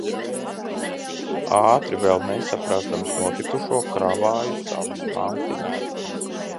Ātri, vēl nesaprazdams notikušo kravāju savas mantiņas.